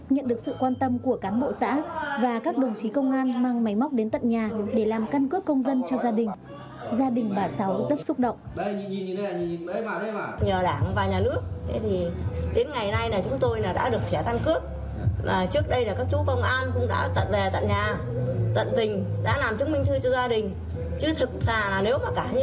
nhận được sự quan tâm của cán bộ xã và các đồng chí công an mang máy móc đến tận nhà để làm căn cước công dân cho gia đình